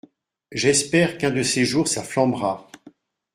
J’espère qu’un de ces jours ça flambera.